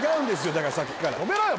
だからさっきから止めろよ